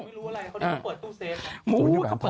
ไม่รู้ว่าอะไร